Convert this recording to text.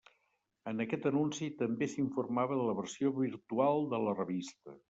En aquest anunci també s'informava de la versió virtual de la revista.